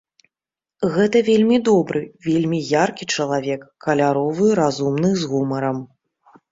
Гэта вельмі добры, вельмі яркі чалавек, каляровы, разумны, з гумарам.